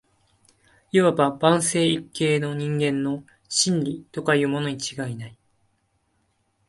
謂わば万世一系の人間の「真理」とかいうものに違いない